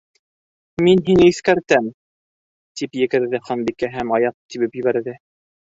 —Мин һине иҫкәртәм, —тип екерҙе Ханбикә һәм аяҡ тибеп ебәрҙе.